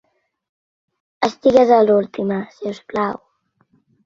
Estigues a l'última, si us plau.